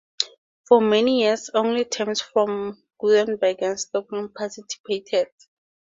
For many years only teams from Gothenburg and Stockholm participated.